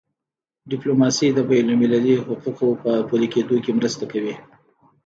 ډیپلوماسي د بینالمللي حقوقو په پلي کېدو کي مرسته کوي.